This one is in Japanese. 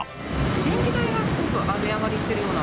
電気代がすごく値上がりしているような。